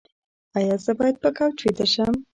ایا زه باید په کوچ ویده شم؟